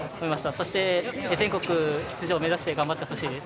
そして全国出場目指して頑張ってほしいです。